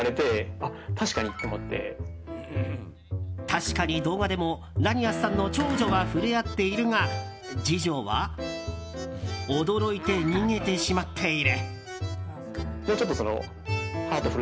確かに動画でもｌａｎｉｕｓさんの長女は触れ合っているが、次女は驚いて逃げてしまっている。